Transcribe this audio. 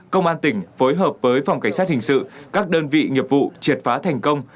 công an tỉnh phối hợp với phòng cảnh sát hình sự các đơn vị nghiệp vụ triệt phá thành công